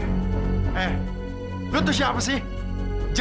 jangan berani berani ganggu orang tua gue ya